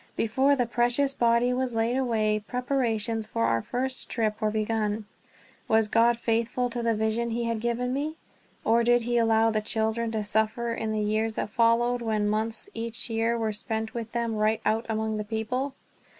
Before the precious body was laid away preparations for our first trip were begun. Was God faithful to the vision he had given me? Or did he allow the children to suffer in the years that followed, when months each year were spent with them right out among the people?